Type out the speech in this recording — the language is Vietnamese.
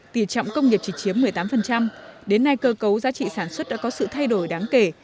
tỉ trọng công nghiệp chỉ chiếm một mươi tám đến nay cơ cấu giá trị sản xuất đã có sự thay đổi đáng kể